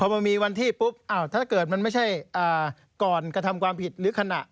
พอมีวันที่ปุ๊บถ้าเกิดมันไม่ใช่ก่อนกระทำความผิดหรือขณะ